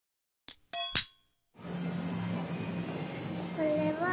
これは。